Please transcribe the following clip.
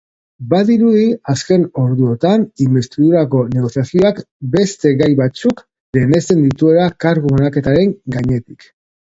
Badirudi azken orduotan inbestidurarako negoziazioak beste gai batzuk lehenesten dituela kargu banaketaren gainetik.